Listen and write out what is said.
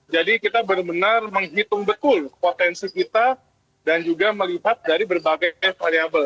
jadi kita benar benar menghitung betul potensi kita dan juga melihat dari berbagai variable